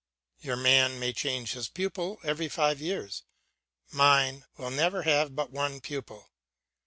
Your man may change his pupil every five years; mine will never have but one pupil.